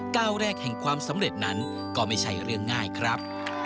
ก้าวแรกแห่งความสำเร็จนั้นก็ไม่ใช่เรื่องง่ายครับ